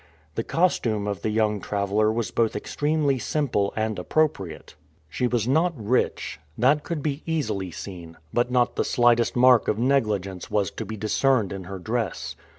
The costume of the young traveler was both extremely simple and appropriate. She was not rich that could be easily seen; but not the slightest mark of negligence was to be discerned in her dress.